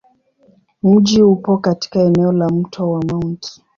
Mji upo katika eneo la Mto wa Mt.